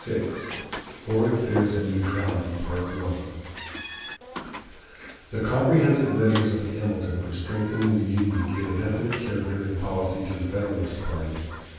VI FOREIGN AFFAIRS AND NEUTRALITY The comprehensive measures of Hamilton for strengthening the Union gave a definite character and policy to the Federalist party.